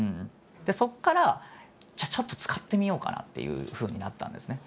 そこからじゃあちょっと使ってみようかなっていうふうになったんですね。